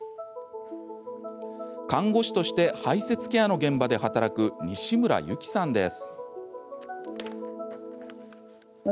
看護師として排せつケアの現場で働く西村友希さんです。